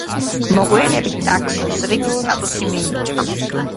მოგვიანებით ტაქსონს რიგის სტატუსი მიენიჭა.